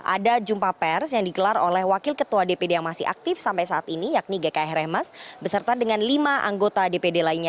ada jumpa pers yang digelar oleh wakil ketua dpd yang masih aktif sampai saat ini yakni gkh rehmas beserta dengan lima anggota dpd lainnya